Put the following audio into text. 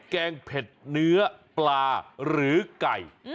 แกงเผ็ดเนื้อปลาหรือไก่